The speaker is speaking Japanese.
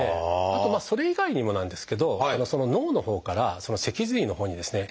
あとそれ以外にもなんですけど脳のほうから脊髄のほうにですね